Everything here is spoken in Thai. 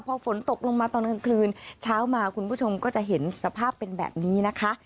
พอฝนตกลงมาตอนกลางคืนเช้ามาคุณผู้ชมก็จะเห็นสภาพเป็นแบบนี้นะคะ